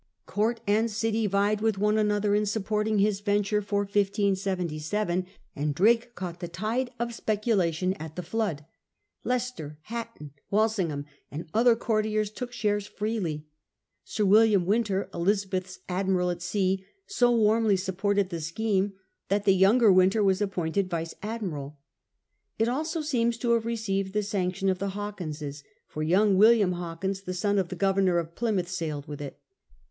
Court and city vied with one another in supporting his venture for 1577, and Drake caught the tide of speculation at the flood. Leicester, Hatton, Walsingham, and other courtiers took shares freely. Sir William Wynter, Elizabeth's Admiral at Sea, so warmly supported the scheme that the younger Wynter was appointed vice admiral. It also seems to have received the sanction of the Hawkinses, for young William Hawkins, the son of the Governor of Plymouth, sailed with it.